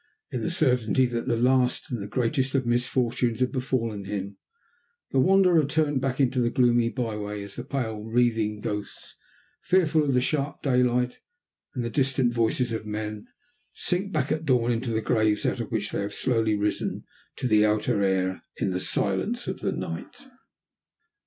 In the certainty that the last and the greatest of misfortunes had befallen him, the Wanderer turned back into the gloomy by way as the pale, wreathing ghosts, fearful of the sharp daylight and the distant voices of men, sink back at dawn into the graves out of which they have slowly risen to the outer air in the silence of the night.